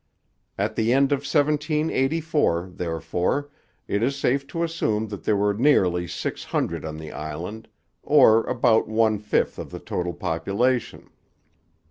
At the end of 1784, therefore, it is safe to assume that there were nearly six hundred on the island, or about one fifth of the total population.